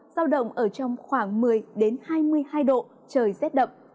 giao động ở trong khoảng một mươi hai mươi hai độ trời rét đậm